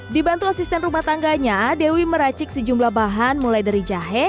dibantu asisten rumah tangganya dewi meracik sejumlah bahan mulai dari jahe